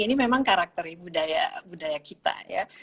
ini memang karakter budaya kita ya